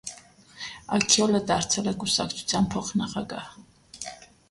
Աքյոլը դարձել է կուսակցության փոխնախագահ։